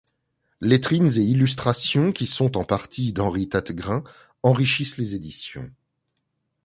Lettrines et illustrations qui sont en partie d'Henry Tattegrain enrichissent les éditions.